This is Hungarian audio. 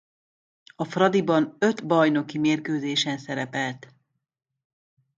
A Fradiban öt bajnoki mérkőzésen szerepelt.